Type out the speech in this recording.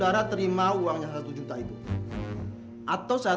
ntar malam lu harta lu gua kuras habis